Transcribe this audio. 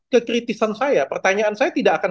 kekritisan saya pertanyaan saya tidak akan